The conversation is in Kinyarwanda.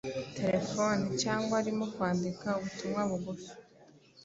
telefone cyangwa arimo kwandika ubutumwa bugufi.